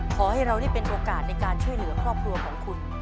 ขอให้เราได้เป็นโอกาสในการช่วยเหลือครอบครัวของคุณ